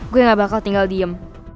gue gak bakal tinggal diem